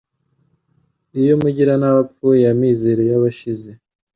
Iyo umugiranabi apfuye amizero ye aba ashize